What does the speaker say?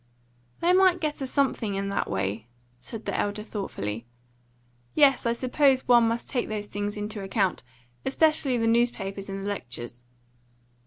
"They might get a something in that way," said the elder thoughtfully. "Yes, I suppose one must take those things into account especially the newspapers and the lectures.